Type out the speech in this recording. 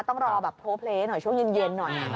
ต้องรอแบบโพลเพลย์หน่อยช่วงเย็นหน่อย